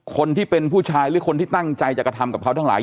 คนที่เป็นผู้ชายหรือคนที่ตั้งใจจะกระทำกับเขาทั้งหลาย